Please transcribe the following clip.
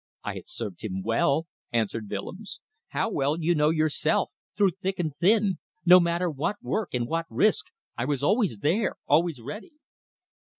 "I had served him well," answered Willems. "How well, you know yourself through thick and thin. No matter what work and what risk, I was always there; always ready."